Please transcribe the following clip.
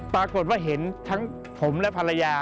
ปรากฏว่าเห็นทั้งผมและภรรยา